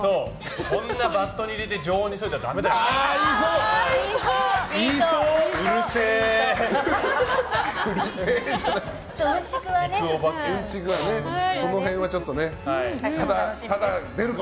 こんなバットに入れて常温にしていちゃだめだよとか。